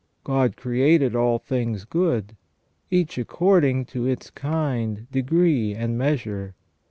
God created all things good, each according to its kind, degree, and measure.